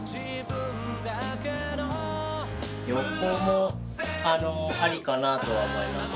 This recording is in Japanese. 横もあのありかなとは思います。